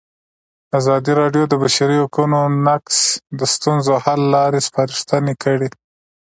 ازادي راډیو د د بشري حقونو نقض د ستونزو حل لارې سپارښتنې کړي.